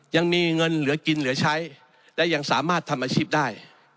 ยังมีเงินเหลือกินเหลือใช้และยังสามารถทำอาชีพได้